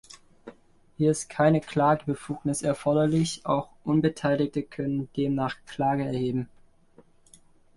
Hier ist keine Klagebefugnis erforderlich, auch Unbeteiligte können demnach Klage erheben.